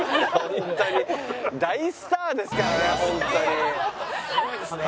大スターですからね